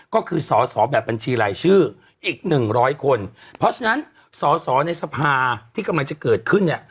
ก็คือสอสอแบบบัญชีรายชื่ออีกหนึ่งร้อยคนเพราะฉะนั้นสอสอในสภาที่กำลังจะเกิดขึ้นเนี่ย